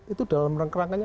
itu dalam rangkangannya